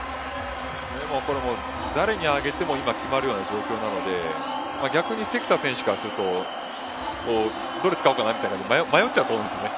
これは今、誰に上げても決まるような状況なので逆に、関田選手からするとどれ使おうかなと迷っちゃうと思うんですよね。